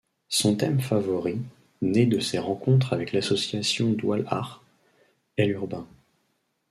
Son thème favori, né de ses rencontres avec l’association doual’art, est l’urbain.